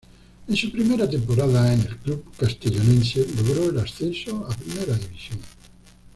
En su primera temporada en el club castellonense logró el ascenso a Primera División.